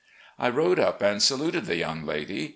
"I rode up and saluted the young lady.